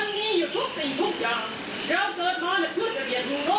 เรื่องนิพพานเป็นยังไง